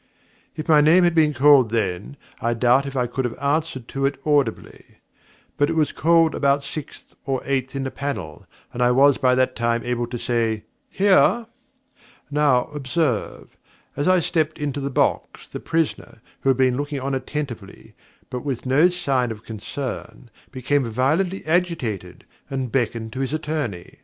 If my name had been called then, I doubt if I could have answered to it audibly. But it was called about sixth or eighth in the panel, and I was by that time able to say 'Here!' Now, observe. As I stepped into the box, the prisoner, who had been looking on attentively but with no sign of concern, became violently agitated, and beckoned to his attorney.